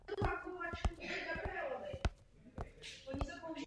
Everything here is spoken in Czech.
Jako mnoho jiných chudých židovských emigrantů žili na Lower East Side v New Yorku.